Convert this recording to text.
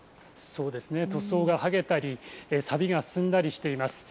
そうですね、塗装が剥げたり、さびが進んだりしています。